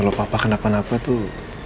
kalau papa kenapa napa tuh